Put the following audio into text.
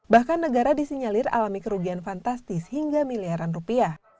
bahkan negara disinyalir alami kerugian fantastis hingga miliaran rupiah